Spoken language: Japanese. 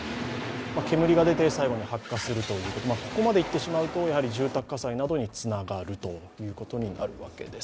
煙が出て、最後に発火するということで、ここまでいってしまうと住宅火災などにつながるということになるわけです。